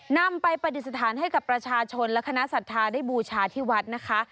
นำไปปฏิสถานให้กับประชาชนและคณะศรัทธาได้บูชาที่วัดนะคะ